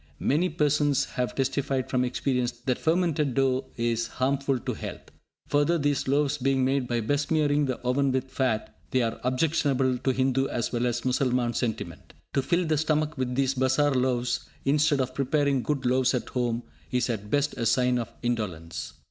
Many persons have testified from experience that fermented dough is harmful to health. Further, these loaves being made by besmearing the oven with fat, they are objectionable to Hindu as well as Mussalman sentiment. To fill the stomach with these bazar loaves instead of preparing good loaves at home is at best a sign of indolence.